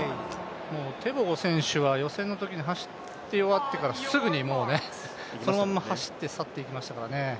テボゴ選手は予選のときに走り終わってからすぐにもうね、そのまま走って去っていきましたからね。